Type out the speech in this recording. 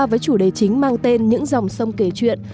với chủ đề chính mang tên những dòng sông kể chuyện